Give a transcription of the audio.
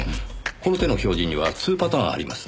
この手の表示には２パターンあります。